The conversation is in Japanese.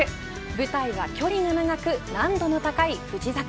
舞台は距離が長く難度の高い富士桜。